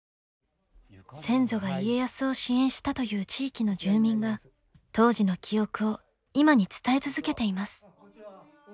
先祖が家康を支援したという地域の住民が当時の記憶を今に伝え続けています。